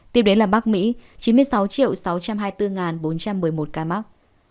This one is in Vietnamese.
tiếp đến là bắc mỹ chín mươi sáu sáu trăm hai mươi bốn bốn trăm một mươi một ca mắc